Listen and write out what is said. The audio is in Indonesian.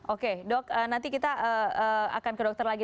oke dok nanti kita akan ke dokter lagi